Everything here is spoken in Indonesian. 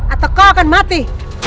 atau kau akan mati